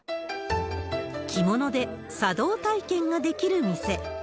着物で茶道体験ができる店。